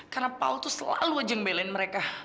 karena paul tuh selalu aja ngebelain mereka